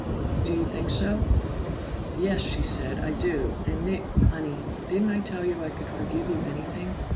"Do you think so?" "Yes," she said. "I do! And Nick, Honey didn't I tell you I could forgive you anything?